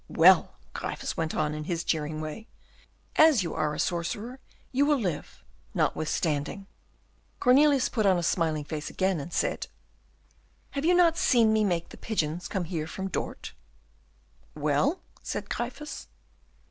"Well," Gryphus went on, in his jeering way, "as you are a sorcerer, you will live, notwithstanding." Cornelius put on a smiling face again, and said, "Have you not seen me make the pigeons come here from Dort?" "Well?" said Gryphus.